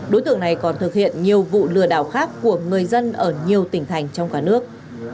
đối tượng này còn thực hiện nhiều vụ lừa đảo khác của người dân ở nhiều tỉnh thành trong cả nước